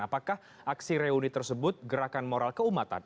apakah aksi reuni tersebut gerakan moral keumatan